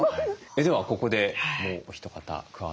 ではここでもうお一方加わって頂きます。